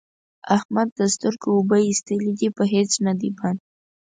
د احمد د سترګو اوبه اېستلې دي؛ په هيڅ نه دی بند،